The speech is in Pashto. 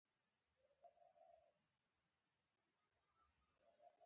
هوښیارې مېرمنې ډېر څه د ویلو لپاره لري.